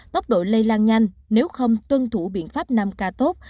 thì làn nhanh nếu không tuân thủ biện pháp năm k tốt